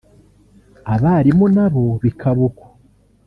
abarimu na bo bikaba uko”